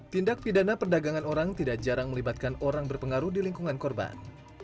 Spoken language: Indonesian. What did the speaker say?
tindak pidana perdagangan orang tidak jarang melibatkan orang berpengaruh di lingkungan korban